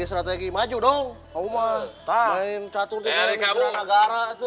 tapi sudah jalan terus